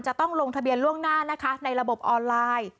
จะต้องลงทะเบียนล่วงหน้านะคะในระบบออนไลน์